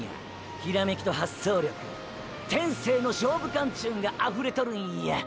ヒラメキと発想力天性の勝負勘ちゅうんがあふれとるんや！！